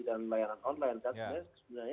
dan layanan online kan ya sebenarnya